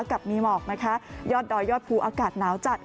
กับมีหมอกนะคะยอดดอยยอดภูอากาศหนาวจัด